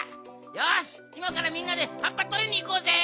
よしいまからみんなではっぱとりにいこうぜ！